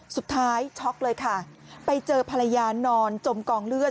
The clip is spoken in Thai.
ช็อกเลยค่ะไปเจอภรรยานอนจมกองเลือด